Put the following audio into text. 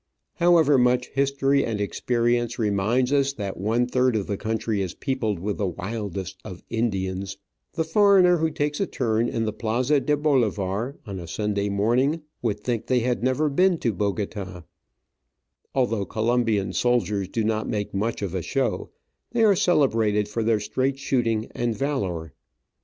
However much history and experience remind us that one third part of the country is peopled with the wildest of Indians, the foreigner who takes COLOMBIAN SOLDIER, J' Digitized by VjOOQIC 134 Travels and Adventures a turn in the Plaza de Bolivar on a Sunday morning would think they had never been to Bogota. Although Colombian soldiers do not make much of a show, they are celebrated for their straight shooting and valour.